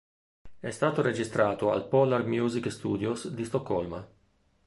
È stato registrato al Polar Music Studios di Stoccolma.